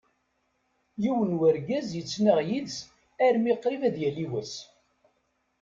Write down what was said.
Yiwen n urgaz ittnaɣ yid-s armi qrib ad yali wass.